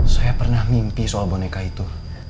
saya pernah mimpi soal boneka itu